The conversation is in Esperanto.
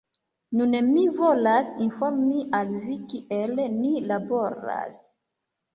Nun mi volas informi al vi, kiel ni laboras